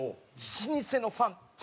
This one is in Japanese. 老舗のファン。